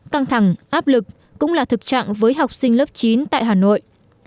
căng thẳng áp lực cũng là thực trạng với học sinh lớp chín tại hà nội